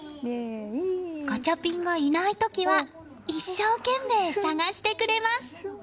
ガチャピンがいない時は一生懸命、探してくれます。